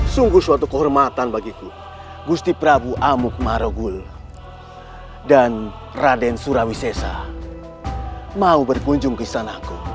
sungguh suatu kehormatan bagiku gusti prabu amuk marogul dan raden surawisesa mau berkunjung ke sanaku